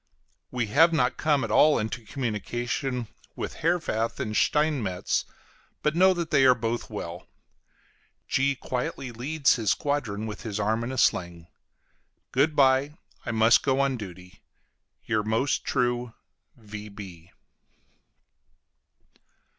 We have not come at all into communication with Herwarth and Steinmetz, but know that they are both well. G quietly leads his squadron with his arm in a sling. Good bye, I must go on duty. YOUR MOST TRUE V.